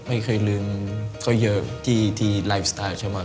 ไม่เคยลืมเขาเยอะที่ไลฟ์สไตล์ใช่ไหม